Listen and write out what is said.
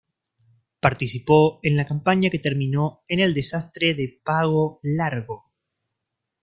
Participó en la campaña que terminó en el desastre de Pago Largo.